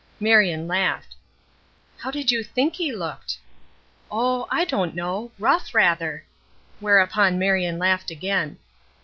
Marion laughed. "How did you think he looked?" "Oh, I don't know rough, rather." Whereupon Marion laughed again.